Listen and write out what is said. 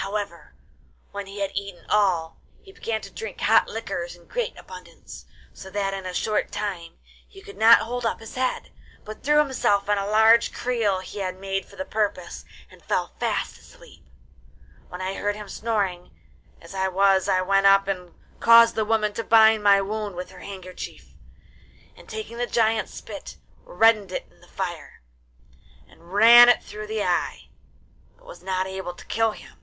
However, when he had eaten all he began to drink hot liquors in great abundance, so that in a short time he could not hold up his head, but threw himself on a large creel he had made for the purpose, and fell fast asleep. When I heard him snoring, as I was I went up and caused the woman to bind my wound with a handkerchief; and, taking the giant's spit, reddened it in the fire, and ran it through the eye, but was not able to kill him.